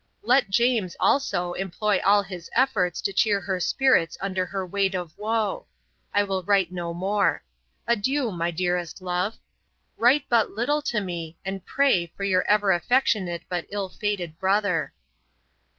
Let James also employ all his efforts to cheer her spirits under her weight of woe. I will write no more. Adieu, my dearest love! Write but little to me, and pray for your ever affectionate but ill fated brother.